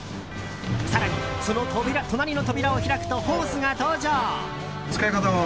更に、その隣の扉を開くとホースが登場。